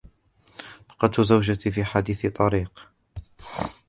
فقدت زوجتي في حادث طريق.